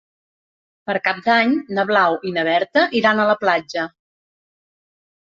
Per Cap d'Any na Blau i na Berta iran a la platja.